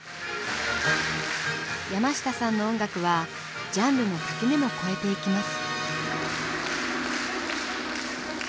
山下さんの音楽はジャンルの垣根も越えていきます。